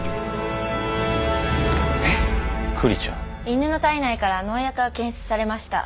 犬の体内から農薬が検出されました。